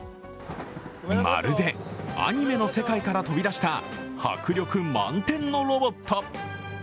まるでアニメの世界から飛び出した迫力満点のロボット。